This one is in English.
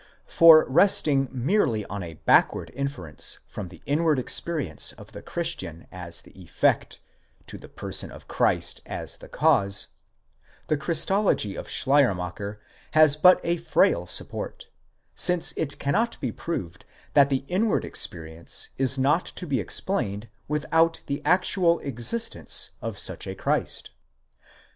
For resting merely on a backward inference from the inward experience of the Christian as the effect, to the person of Christ as the cause, the Christology of Schleiermacher has but a frail support, since it cannot be proved that that inward experience is not to be explained without the actual existence of such a Christ.